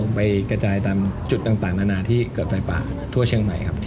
ไปกระจายตามจุดต่างนานาที่เกิดไฟป่าทั่วเชียงใหม่ครับ